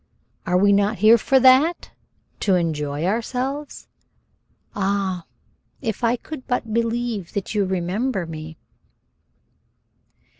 "Are we not here for that, to enjoy ourselves?" "Ah, if I could but believe that you remember me!"